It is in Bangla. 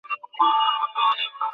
রানওয়ে ব্যবহারের অনুপযোগী।